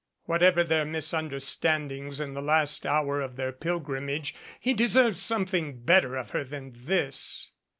Whatever their mis understandings in the last hour of their pilgrimage, he deserved something better of her than this.